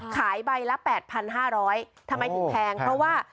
ขายใบละ๘๕๐๐ทำไมถึงแพงเพราะว่า